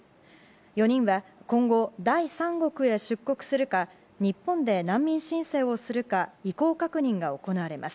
４人は今後、第三国へ出国するか日本で難民申請をするか意向確認が行われます。